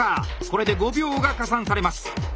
これで５秒が加算されます。